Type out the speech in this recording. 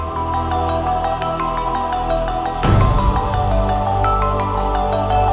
kamu bergabunglah dengan peraburan kebuanan